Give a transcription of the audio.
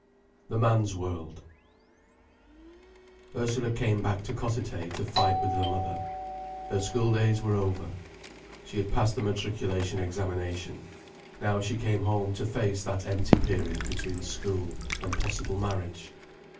THE MAN'S WORLD Ursula came back to Cossethay to fight with her mother. Her schooldays were over. She had passed the matriculation examination. Now she came home to face that empty period between school and possible marriage.